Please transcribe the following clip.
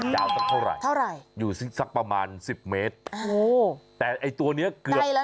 ยาวเท่าไหร่อยู่สักประมาณ๑๐เมตรแต่ตัวนี้เกือบ